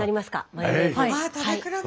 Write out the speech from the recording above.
マヨネーズ。